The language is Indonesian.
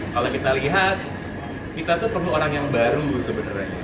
kalau kita lihat kita tuh perlu orang yang baru sebenarnya